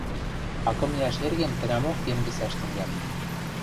А кым иӓш эргем тӹнӓмок йӹнгӹсӓш тӹнгӓлӹн: